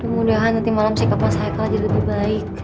ini uang belanja